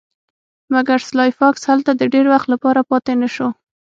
مګر سلای فاکس هلته د ډیر وخت لپاره پاتې نشو